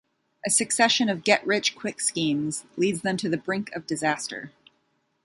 A succession of get-rich-quick schemes leads them to the brink of disaster.